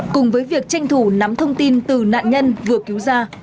cùng với việc tranh thủ nắm thông tin từ nạn nhân vừa cứu ra